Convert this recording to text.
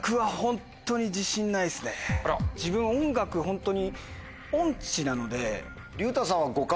自分音楽ホントに。